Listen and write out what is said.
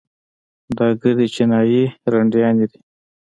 دا ګردې چينايي رنډيانې دي.